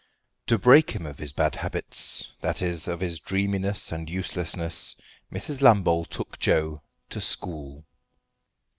To break him of his bad habits that is, of his dreaminess and uselessness Mrs. Lambole took Joe to school.